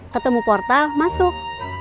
ketemu portal masuk